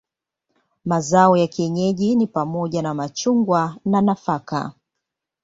Mazao ya kienyeji ni pamoja na machungwa na nafaka.